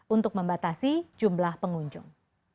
untuk membatasi jumlah pengunjung